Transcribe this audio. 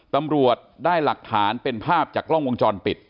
ตำรวจได้หลักฐานเป็นภาพจากกล้องวงจรปิด